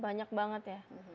banyak banget ya